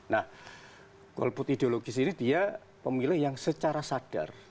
nah golput ideologis ini dia pemilih yang secara sadar